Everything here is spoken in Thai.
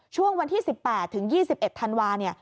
ช่วงวันที่๑๘ถึง๒๑ธันวาคม